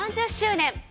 ３０周年